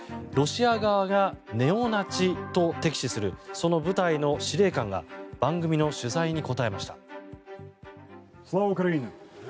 ロシア側がネオナチと敵視するその部隊の司令官が番組の取材に答えました。